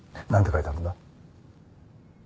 書いてあるんだ？